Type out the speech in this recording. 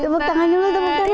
tepuk tangan dulu temen temen